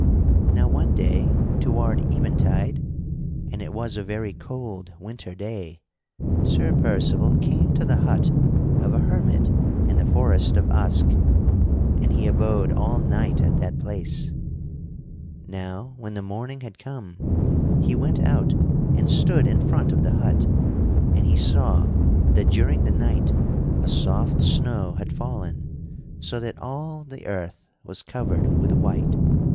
Now one day toward eventide (and it was a very cold winter day) Sir Percival came to the hut of a hermit in the forest of Usk; and he abode all night at that place. Now when the morning had come he went out and stood in front of the hut, and he saw that during the night a soft snow had fallen so that all the earth was covered with white.